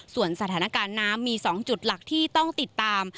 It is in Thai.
ส่วนสถานการณ์น้ำมี๒จุดหลักที่ต้องติดตาม